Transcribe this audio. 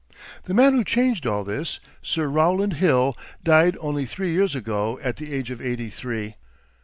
The man who changed all this, Sir Rowland Hill, died only three years ago at the age of eighty three.